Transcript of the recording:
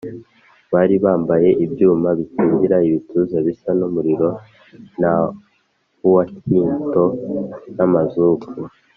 Bari bambaye ibyuma bikingira ibituza bisa n’umuriro na huwakinto n’amazuku.